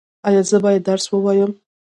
ایا زه باید درس ووایم؟